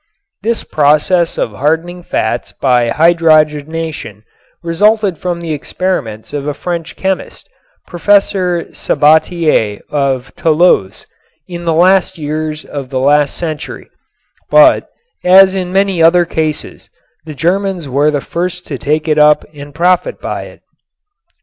This process of hardening fats by hydrogenation resulted from the experiments of a French chemist, Professor Sabatier of Toulouse, in the last years of the last century, but, as in many other cases, the Germans were the first to take it up and profit by it.